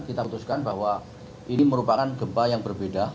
kita putuskan bahwa ini merupakan gempa yang berbeda